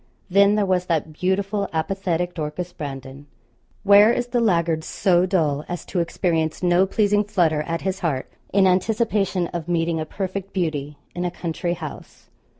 Then there was that beautiful apathetic Dorcas Brandon. Where is the laggard so dull as to experience no pleasing flutter at his heart in anticipation of meeting a perfect beauty in a country house.